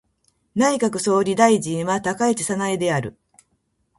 内閣総理大臣は高市早苗である。